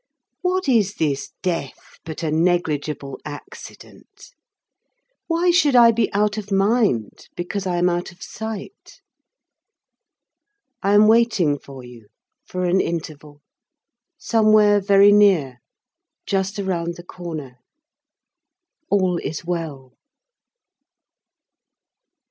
What is this death but a negligible accident? Why should I be out of mind because I am out of sight? I am but waiting for you, for an interval, somewhere very near, just round the corner. All is well.